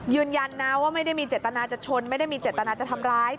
ยืนยันนะว่าไม่ได้มีเจตนาจะชนไม่ได้มีเจตนาจะทำร้าย